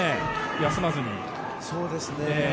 休まずに。